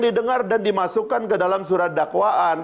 didengar dan dimasukkan ke dalam surat dakwaan